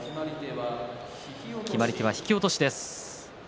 決まり手は引き落としです。